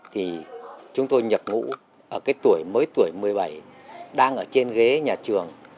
thì chúng tôi nhập ngũ ở cái tuổi mới tuổi một mươi bảy đang ở trên ghế nhà trường